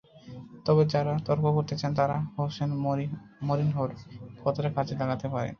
তবে যাঁরা তর্ক করতে চান, তাঁরা হোসে মরিনহোর কথাটা কাজে লাগাতে পারেন।